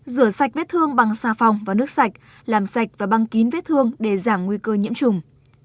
rửa sạch vết thương bằng xà phòng và nước sạch làm sạch và băng kín vết thương để giảm nguy cơ nhiễm trùng